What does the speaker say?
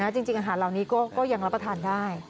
จริงอาหารเหล่านี้ก็ยังรับประทานได้